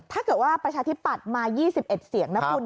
ถ้าเกิดว่าประชาธิปัตย์มา๒๑เสียงนะคุณ